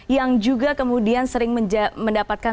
yang juga kemudian sering mendapatkan